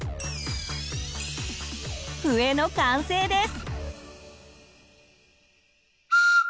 笛の完成です。